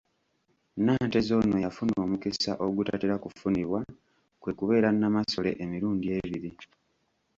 Nanteza ono yafuna omukisa ogutatera kufunibwa, kwe kubeera Namasole emirundi ebiri,.